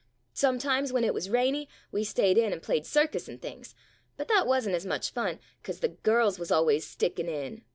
Sometimes, when it wuz rainy, we stayed in an' played circus an' things — but that wuz n't as much fun, 'cause the girls wuz al ways stickin' in.